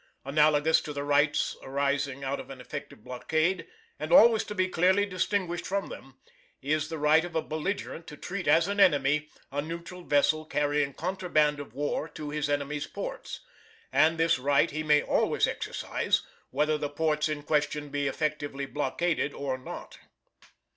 Analogous to the rights arising out of an effective blockade, and always to be clearly distinguished from them, is the right of a belligerent to treat as an enemy a neutral vessel carrying contraband of war to his enemy's ports, and this right he may always exercise, whether the ports in question be effectively blockaded or not.